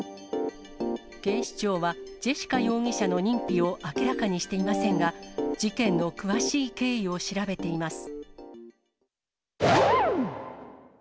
警視庁は、ジェシカ容疑者の認否を明らかにしていませんが、事件の詳しい経緯を調べています。